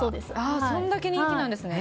それだけ人気なんですね。